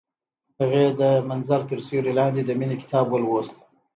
هغې د منظر تر سیوري لاندې د مینې کتاب ولوست.